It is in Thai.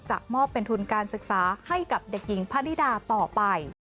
มอบเป็นทุนการศึกษาให้กับเด็กหญิงพนิดาต่อไป